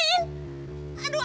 aduh aing mah